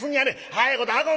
早いこと運んで。